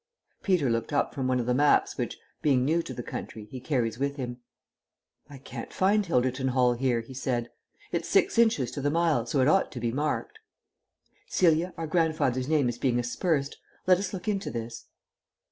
Peter looked up from one of the maps which, being new to the country, he carries with him. "I can't find Hilderton Hall here," he said. "It's six inches to the mile, so it ought to be marked." "Celia, our grandfather's name is being aspersed. Let us look into this."